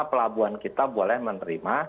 pelabuhan kita boleh menerima